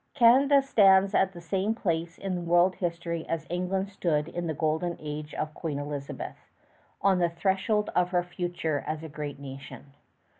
Canada stands at the same place in the world's history as England stood in the Golden Age of Queen Elizabeth on the threshold of her future as a great nation.